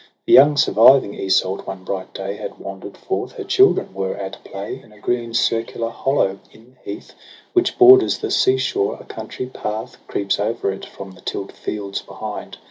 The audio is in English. The young surviving Iseult, one bright day, Had wander'd forth. Her children were at play In a green circular hollow in the heath Which borders the sea shore — a country path Creeps over it from the till'd fields behind.